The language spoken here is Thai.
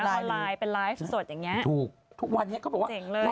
ออนไลน์เป็นไลฟ์สดอย่างเงี้ถูกทุกวันนี้เขาบอกว่าเก่งเลย